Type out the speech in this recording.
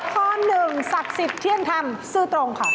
ข้อหนึ่งศักดิ์สิทธิ์เที่ยงธรรมซื่อตรงค่ะ